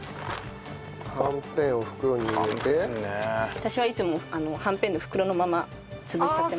私はいつもはんぺんの袋のまま潰しちゃってます。